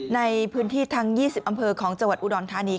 ในพื้นที่ทั้ง๒๐อำเภอของจังหวัดอุดรธานี